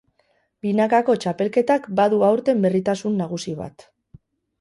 Binakako txapelketak badu aurten berritasun nagusi bat.